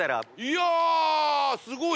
いやすごい！